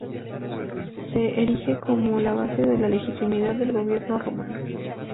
Se erige como la base de la legitimidad del gobierno rumano.